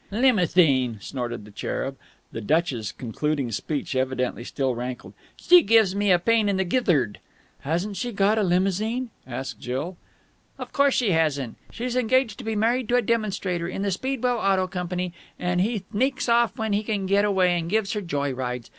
"Limouthine!" snorted the cherub. The duchess' concluding speech evidently still rankled. "She gives me a pain in the gizthard!" "Hasn't she got a limousine?" asked Jill. "Of course she hasn't. She's engaged to be married to a demonstrator in the Speedwell Auto Company, and he thneaks off when he can get away and gives her joy rides.